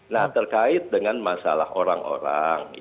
nah terkait dengan masalah orang orang